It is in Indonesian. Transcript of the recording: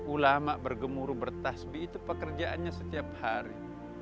ulama bergemuruh bertasbi itu pekerjaannya setiap hari